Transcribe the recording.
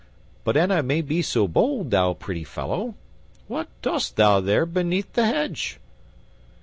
But an I may be so bold, thou pretty fellow, what dost thou there beneath the hedge?"